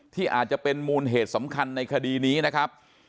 ที่อาจจะเป็นมูลเหตุสำคัญในคดีนี้นะครับ